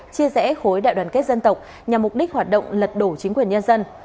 chia rẽ khối đại đoàn kết dân tộc nhằm mục đích hoạt động lật đổ chính quyền nhân dân